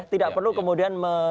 tidak perlu kemudian